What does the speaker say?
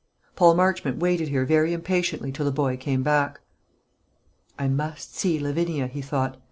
Paul Marchmont waited here very impatiently till the boy came back. "I must see Lavinia," he thought.